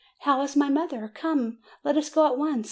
"How is my mother? Come, let us go at once!